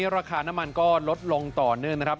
ราคาน้ำมันก็ลดลงต่อเนื่องนะครับ